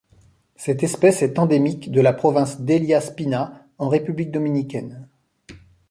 Cette espèce est endémique de la province d'Elías Piña en République dominicaine.